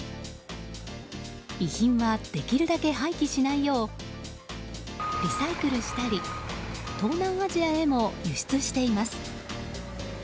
遺品はできるだけ廃棄しないようリサイクルしたり東南アジアへも輸出しています。